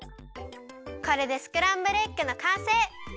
これでスクランブルエッグのかんせい！